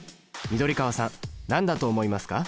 緑川さん何だと思いますか？